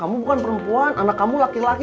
kamu bukan perempuan anak kamu laki laki